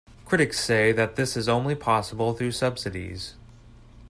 Critics say that this is only possible through subsidies.